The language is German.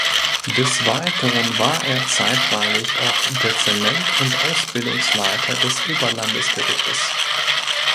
Des Weiteren war er zeitweilig auch Dezernent und Ausbildungsleiter des Oberlandesgerichtes.